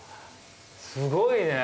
すごいね。